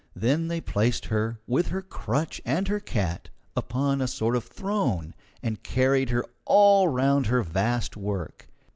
Then they placed her, with her crutch and her cat, upon a sort of throne, and carried her all round her vast work.